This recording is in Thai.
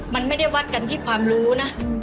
มันไม่ได้วัดกันที่ความรู้นะ